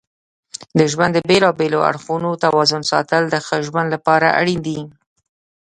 د ژوند د بیلابیلو اړخونو توازن ساتل د ښه ژوند لپاره اړین دي.